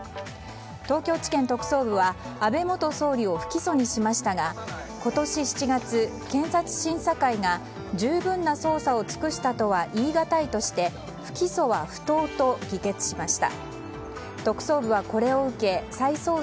東京地検特捜部は安倍元総理を不起訴にしましたが今年７月、検察審査会が十分な捜査を尽くしたとは言い難いとして不起訴は不当と議決しました。